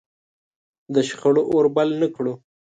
د شخړو اور بل نه کړو.